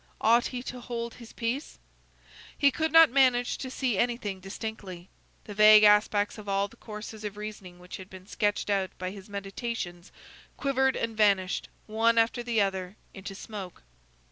Ought he to hold his peace? He could not manage to see anything distinctly. The vague aspects of all the courses of reasoning which had been sketched out by his meditations quivered and vanished, one after the other, into smoke.